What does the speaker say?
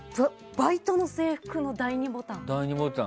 バイトの制服の第２ボタン！